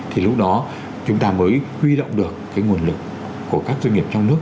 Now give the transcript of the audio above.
thì lúc đó chúng ta mới huy động được cái nguồn lực của các doanh nghiệp trong nước